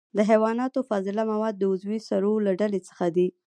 د حیواناتو فضله مواد د عضوي سرو له ډلې څخه دي.